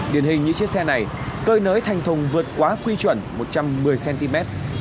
điển hình như chiếc xe này cơi nới thành thùng vượt quá quy chuẩn một trăm một mươi cm